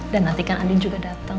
dan nanti kan andi juga dateng